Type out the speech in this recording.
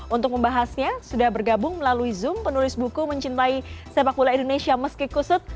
untuk membahasnya sudah bergabung melalui zoom penulis buku mencintai sepak bola indonesia meski kusut